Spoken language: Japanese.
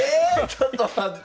ちょっと待って！